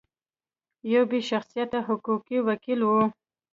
یو بې شخصیته حقوقي وکیل و.